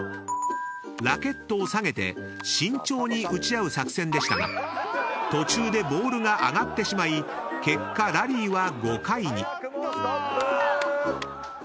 ［ラケットを下げて慎重に打ち合う作戦でしたが途中でボールが上がってしまい結果ラリーは５回に］